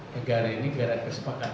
negara ini negara kesepakatan